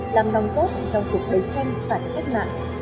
làm nong tốt trong cuộc đấu tranh phạt cách mạng